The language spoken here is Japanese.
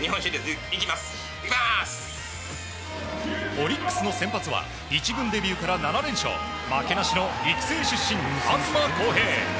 オリックスの先発は１軍デビューから７連勝負けなしの育成出身、東晃平。